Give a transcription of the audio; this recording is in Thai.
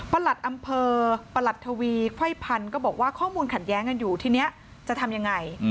หลัดอำเภอประหลัดทวีไขว้พันธุ์ก็บอกว่าข้อมูลขัดแย้งกันอยู่ทีนี้จะทำยังไง